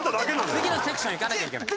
次のセクションいかなきゃいけない。